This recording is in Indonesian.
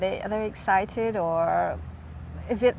apakah mereka teruja atau